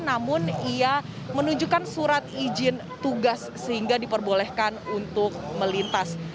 namun ia menunjukkan surat izin tugas sehingga diperbolehkan untuk melintas